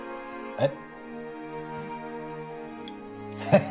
えっ！